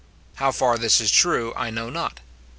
How far this is true, I know not.